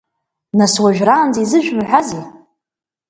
Нас уажәраанӡа изышәымҳәазеи?